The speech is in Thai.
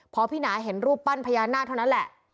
พอพี่หนาเห็นรูปปั้นพญานาคเท่านั้นแหละ